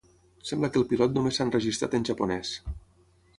Sembla que el pilot només s'ha enregistrat en japonès.